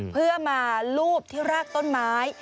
เพื่อมาลูบที่รากต้นไม้